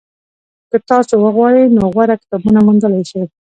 که تاسو وغواړئ نو غوره کتابونه موندلی شئ.